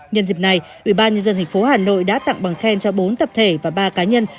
nhân dịp này ủy ban nhân dân tp hà nội đã tặng bằng khen cho bốn tập thể và ba cá nhân